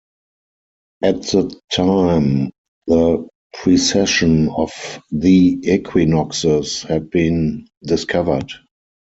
At the time, the precession of the equinoxes had not been discovered.